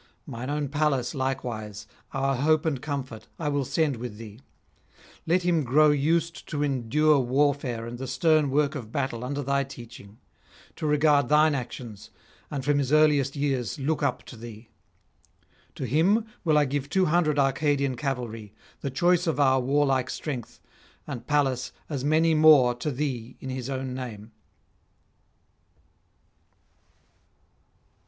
Mine own Pallas likewise, our hope and comfort, I will send with thee; let him grow used to endure warfare and the stern work of battle under thy teaching, to regard thine actions, and from his earliest years look up to thee. To him will I give two hundred Arcadian cavalry, the choice of our warlike strength, and Pallas as many more to thee in his own name.'